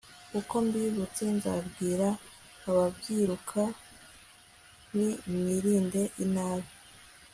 uko mbibutse nzabwira ababyiruka nti mwirinde inabi